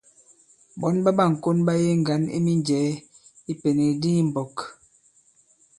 Ɓɔ̌n ɓa ɓâŋkon ɓa yege ŋgǎn i minjɛ̀ɛ i ipènèk di i mbɔ̄k.